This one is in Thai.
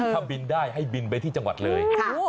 ถ้าบินได้ให้บินไปที่จังหวัดเลย